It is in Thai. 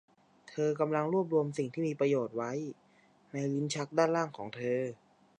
เธอกำลังรวบรวมสิ่งที่มีประโยชน์ไว้ในลิ้นชักด้านล่างของเธอ